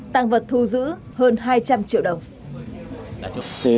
tăng vật thu giữ hơn hai trăm linh triệu đồng